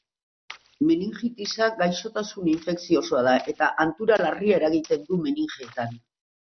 Meningitisa gaixotasun infekziosoa da eta hantura larria eragiten du meningeetan.